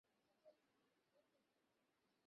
ভয় হচ্ছে, আজ থেকে লিখতে শুরু করব-বা।